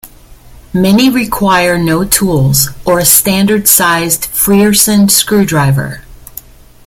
Many require no tools, or a standard-sized Frearson screwdriver.